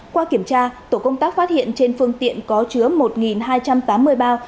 qua kiểm tra tổ công tác phát hiện trên phương tiện có chứa một hai trăm tám mươi bao